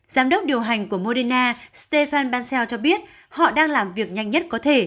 giám đốc điều hành của moderna stefan banseo cho biết họ đang làm việc nhanh nhất có thể